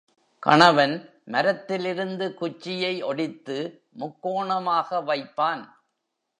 கணவன் மரத்திலிருந்து குச்சியை ஒடித்து முக்கோணமாக வைப்பான்.